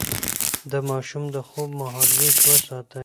د ماشوم د خوب مهالويش وساتئ.